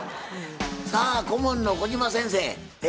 さあ顧問の小島先生